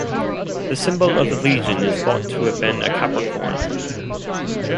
The symbol of the legion is thought to have been a capricorn.